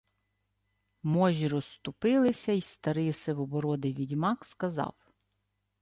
Можі розступилися, й старий сивобородий відьмак сказав: